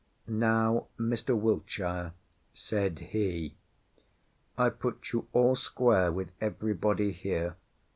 "Now, Mr. Wiltshire," said he, "I've put you all square with everybody here.